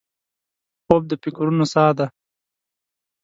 خوب د فکرونو سا ده